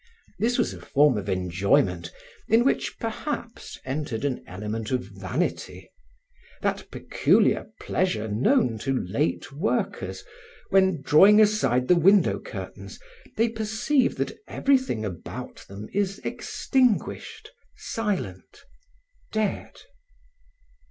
This was a form of enjoyment in which perhaps entered an element of vanity, that peculiar pleasure known to late workers when, drawing aside the window curtains, they perceive that everything about them is extinguished, silent, dead.